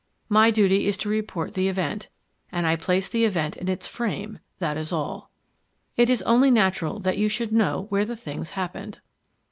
My duty is to report the event; and I place the event in its frame that is all. It is only natural that you should know where the things happened.